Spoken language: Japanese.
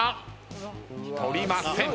取りません。